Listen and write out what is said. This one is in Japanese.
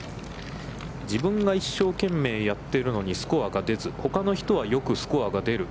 自分が一生懸命やっているのにスコアが出ず、ほかの人はよくスコアが出る。